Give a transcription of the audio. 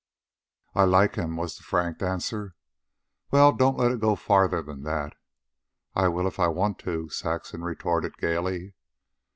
"I like him," was the frank answer. "Well, don't let it go farther than that." "I will if I want to," Saxon retorted gaily.